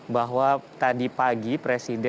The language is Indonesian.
bahwa tadi pagi presiden